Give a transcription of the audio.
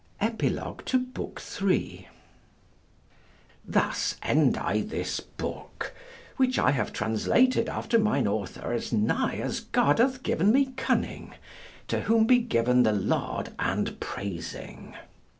EPILOGUE TO BOOK III Thus end I this book, which I have translated after mine Author as nigh as God hath given me cunning, to whom be given the laud and praising.